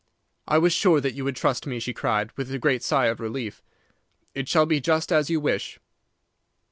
"'I was sure that you would trust me,' she cried, with a great sigh of relief. 'It shall be just as you wish.